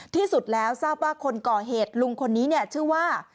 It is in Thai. ที่สุดแล้วทราบว่าคนก่อเหตุลุงคนนี้เนี่ยชื่อว่า